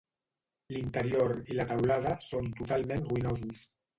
L'interior i la teulada són totalment ruïnosos.